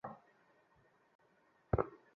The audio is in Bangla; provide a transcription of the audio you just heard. তিনি তার জীবনের অধিকাংশ সময় বাগদাদ নগরীতে কাটিয়েছেন।